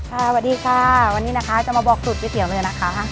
สวัสดีค่ะวันนี้นะคะจะมาบอกสูตรก๋วเลยนะคะ